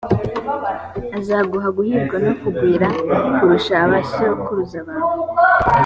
azaguha guhirwa no kugwira kurusha abasokuruza bawe.